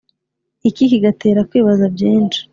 iki kigatera kwibaza byinshi